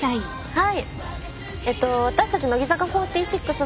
はい！